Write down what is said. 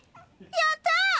やったー！